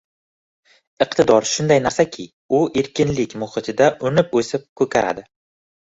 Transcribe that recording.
Iqtidor shunday narsaki, u erkinlik muhitida unib, o‘sib, ko‘karadi.